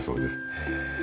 へえ。